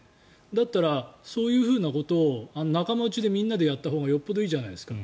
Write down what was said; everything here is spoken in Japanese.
だったら、そういうふうなことを仲間内でみんなでやったほうがよほどいいじゃないですか。